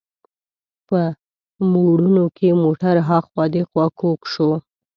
په موړونو کې موټر هاخوا دیخوا کوږ شو.